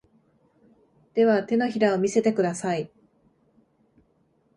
では、手のひらを見せてください。